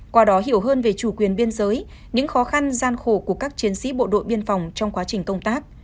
qua đó hiểu hơn về chủ quyền biên giới những khó khăn gian khổ của các chiến sĩ bộ đội biên phòng trong quá trình công tác